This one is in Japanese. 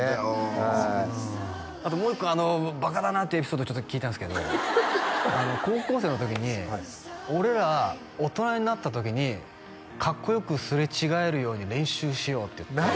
はいあともう一個バカだなってエピソード聞いたんですけど高校生の時に俺ら大人になった時にかっこよく擦れ違えるように練習しようって言って何？